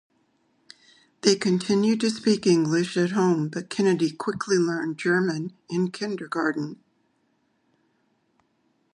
They continued to speak English at home but Kennedy quickly learned German in Kindergarten.